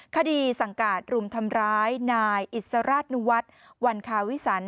คดีสังการรุมทำร้ายนายอิสราชนุวัฒน์วันคาวิสัน